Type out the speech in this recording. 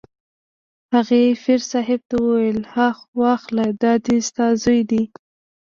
هغې پیر صاحب ته وویل: ها واخله دا دی ستا زوی دی.